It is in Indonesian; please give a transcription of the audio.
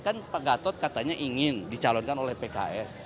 kan pak gatot katanya ingin dicalonkan oleh pks